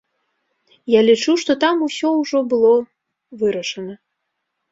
Я лічу, што там усё ўжо было вырашана.